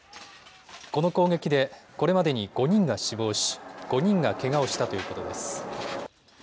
この攻撃でこれまでに５人が死亡し５人がけがをしたということです。